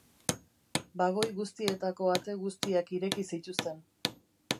Bagoi guztietako ate guztiak ireki zituzten.